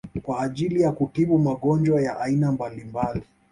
kwa ajili ya kutibu magonjwa ya aina mbalimbali